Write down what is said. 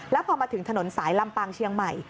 แล้วพอมาถึงถนนสายลำปางเชียงใหม่